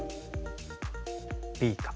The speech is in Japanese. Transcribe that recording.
Ｂか